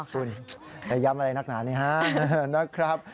คุณอย่าย้ำอะไรนักหนานี่ฮะนะครับ